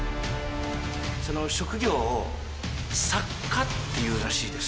その職業を作家って言うらしいです